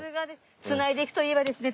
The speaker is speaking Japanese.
つないでいくといえばですね